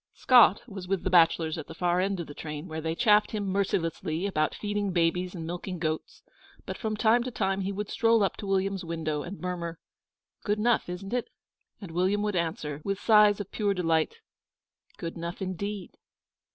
Scott was with the bachelors at the far end of the train, where they chaffed him mercilessly about feeding babies and milking goats; but from time to time he would stroll up to William's window, and murmur: 'Good enough, isn't it?' and William would answer, with sighs of pure delight: 'Good enough, indeed.'